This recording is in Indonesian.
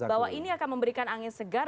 bahwa ini akan memberikan angin segar